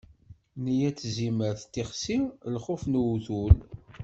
Neyya n tzimert d tixsi, lxuf n uwtul.